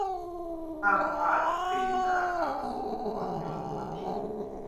ห้ามพลาดครีมหน้าขาวสูตรอ่อนโยนตัวนี้